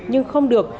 nhưng không được